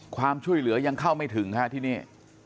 ความช่วยเหลือยังเข้าไม่ถึงฮะที่นี่